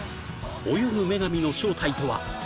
泳ぐ女神の正体とは？